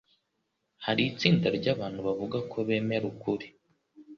Hari itsinda ry’abantu bavuga ko bemera ukuri,